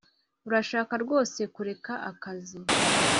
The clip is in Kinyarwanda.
Urashaka rwose kureka akazi